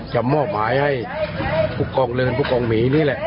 จะมอบหมายให้ผู้กองเรินผู้กองหมีนี่แหละ